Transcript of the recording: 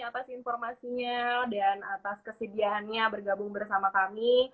atas informasinya dan atas kesediaannya bergabung bersama kami